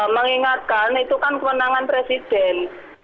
mengingatkan itu kan kewenangan presiden